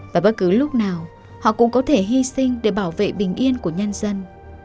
và bất cứ lúc nào họ cũng có thể hy sinh để bảo vệ bình yên của nhân dân